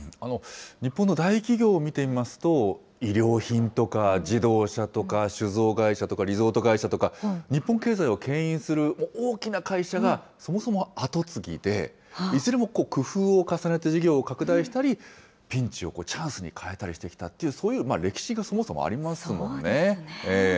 日本の大企業を見てみますと、いりょう品とか、自動車とか酒造会社とか、リゾート会社とか、日本経済をけん引する大きな会社が、そもそも後継ぎで、いずれも工夫を重ねて、事業を拡大したり、ピンチをチャンスに変えたりしてきたっていうそういう歴史がそもそもありますそうですね。